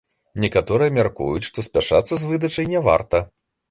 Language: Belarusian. Некаторыя мяркуюць, што спяшацца з выдачай не варта.